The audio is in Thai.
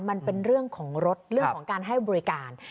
มันเป็นเรื่องของรถเรื่องของการให้บริการ